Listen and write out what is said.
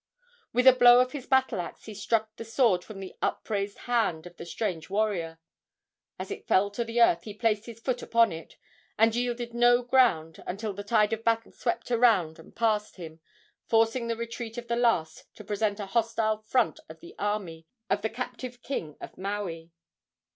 With a blow of his battle axe he struck the sword from the upraised hand of the strange warrior. As it fell to the earth he placed his foot upon it, and yielded no ground until the tide of battle swept around and past him, forcing to retreat the last to present a hostile front of the army of the captive king of Maui.